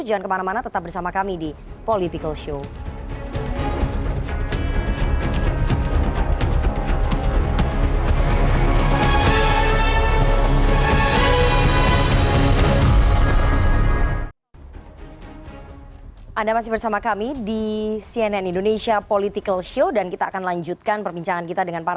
jangan kemana mana tetap bersama kami di politik online